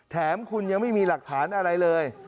แถมคุณยังไม่มีหลักฐานอะไรเลย